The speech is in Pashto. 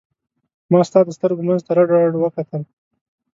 ما ستا د سترګو منځ ته رډ رډ وکتل.